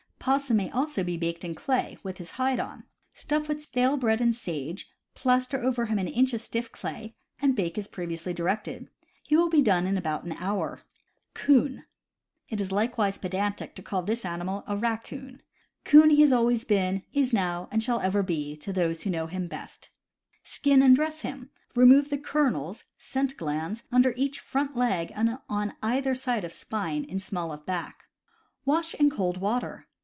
Possum may also be baked in clay, with his hide on. Stuff with stale bread and sage, plaster over him an inch of stiff clay, and bake as previously directed. He will be done in about an hour. Coon. — It is likewise pedantic to call this animal a raccoon. Coon he always has been, is now, and shall ever be, to those who know him best. Skin and dress him. Remove the "kernels" (scent glands) under each front leg and on either side of spine in small of back. Wash in cold water.